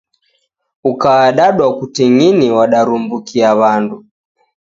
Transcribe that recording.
Ukaadadwa kuting'ini wadarumbukia w'andu.